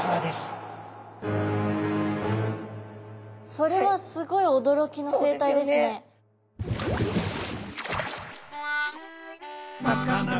それはすごい驚きの生態ですね。